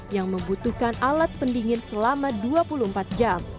yang membutuhkan alat pendingin selama dua puluh empat jam